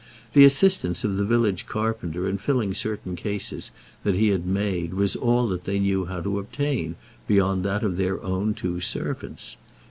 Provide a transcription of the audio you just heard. The assistance of the village carpenter in filling certain cases that he had made was all that they knew how to obtain beyond that of their own two servants.